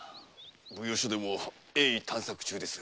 奉行所でも鋭意探索中ですが。